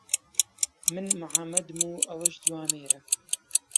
من محەممەدم و ئەوەش جوامێرە.